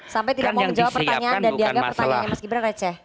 sampai tidak mau menjawab pertanyaan dan dianggap pertanyaannya mas gibran receh